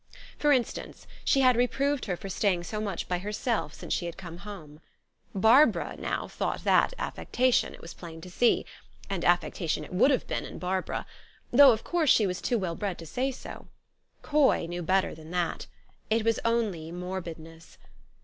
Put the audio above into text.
For instance, she had reproved her for staying so much by herself since she had come home. Bar bara, now, thought that affectation, it was plain to see (and affectation it would have been in Barbara) , though, of course, she was too well bred to say so. Coy knew better than that. It was only morbidness.